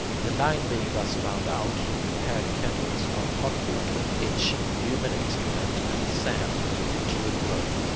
The line being thus found out, he prepared kettles of hot water, pitch, human excrement, and sand heated to a glow.